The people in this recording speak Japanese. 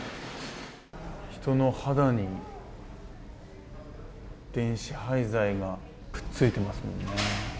人の肌に電子廃材がくっついてますもんね